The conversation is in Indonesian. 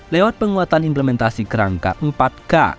lewat penguatan implementasi kerangka empat k